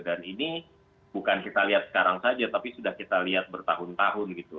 dan ini bukan kita lihat sekarang saja tapi sudah kita lihat bertahun tahun gitu